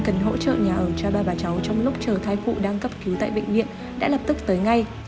cần hỗ trợ nhà ở cho ba bà cháu trong lúc chờ thai phụ đang cấp cứu tại bệnh viện đã lập tức tới ngay